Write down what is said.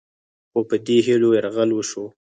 خو په دې هیلو یرغل وشو